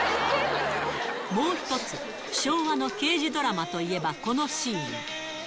もう一つ、昭和の刑事ドラマといえば、このシーン。